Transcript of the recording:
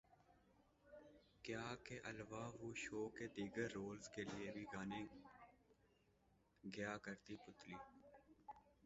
کیا کے الوا وو شو کے دیگر رولز کے لیے بھی گانے گیا کرتی پتلی